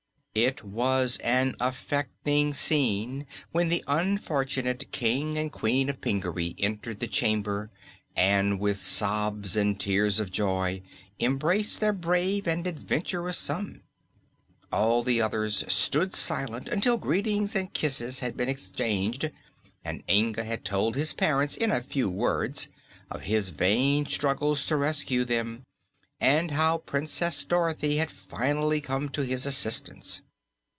It was an affecting scene when the unfortunate King and Queen of Pingaree entered the chamber and with sobs and tears of joy embraced their brave and adventurous son. All the others stood silent until greetings and kisses had been exchanged and Inga had told his parents in a few words of his vain struggles to rescue them and how Princess Dorothy had finally come to his assistance.